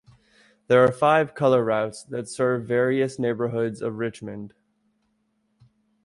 There are five color routes that serve various neighborhoods of Richmond.